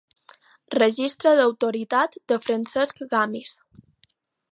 Registre d'autoritat de Francesc Gamis.